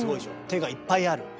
手がいっぱいある。